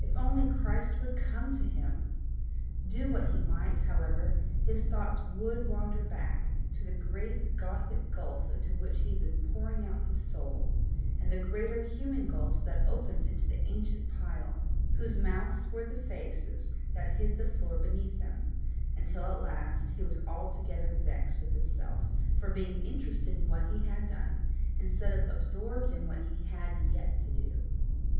If only Christ would come to him! Do what he might, however, his thoughts WOULD wander back to the great gothic gulf into which he had been pouring out his soul, and the greater human gulfs that opened into the ancient pile, whose mouths were the faces that hid the floor beneath them until at length he was altogether vexed with himself for being interested in what he had done, instead of absorbed in what he had yet to do.